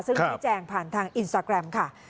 ซึ่งชี้แจงผ่านทางอินสตาแกรมค่ะ